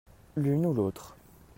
l'une ou l'autre.